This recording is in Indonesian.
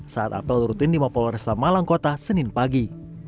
saat apel rutin di polresta malangkota senin pagi